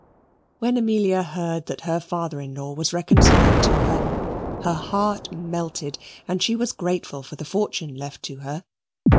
When Amelia heard that her father in law was reconciled to her, her heart melted, and she was grateful for the fortune left to her.